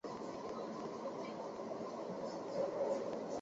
平日里他不仅要工作还要照顾年迈的奶奶。